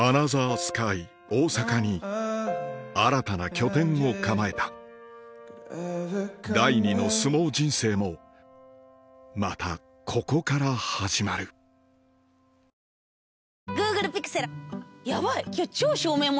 スカイ大阪に新たな拠点を構えた第二の相撲人生もまたここから始まるあやみちゃん。